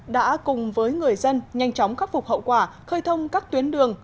đã cùng với người dân nhanh chóng khắc phục hậu quả khơi thông các tuyến đường